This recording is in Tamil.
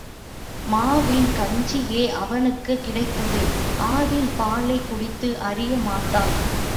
மாவின் கஞ்சியே அவனுக்குக் கிடைத்தது ஆவின் பாலைக் குடித்து அறிய மாட்டான்.